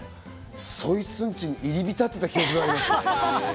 そいつんちに入り浸ってた記憶がある。